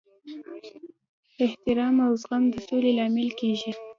احترام او زغم د سولې لامل کیږي.